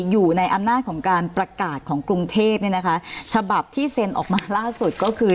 อยู่ในอำนาจของการประกาศของกรุงเทพเนี่ยนะคะฉบับที่เซ็นออกมาล่าสุดก็คือ